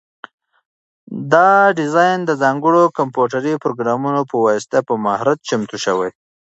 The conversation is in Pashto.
دا ډیزاین د ځانګړو کمپیوټري پروګرامونو په واسطه په مهارت چمتو شوی.